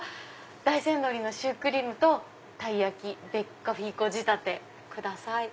大山鶏のシュークリームとたい焼きベッカフィーコ仕立てください。